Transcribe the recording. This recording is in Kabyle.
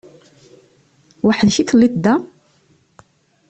Weḥd-k i telliḍ da?